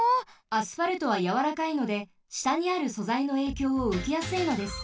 アスファルトはやわらかいのでしたにあるそざいのえいきょうをうけやすいのです。